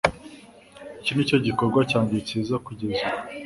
Iki nicyo gikorwa cyanjye cyiza kugeza ubu